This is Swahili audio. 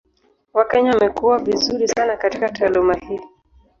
Wakenya wamekuwa vizuri sana katika taaluma hii.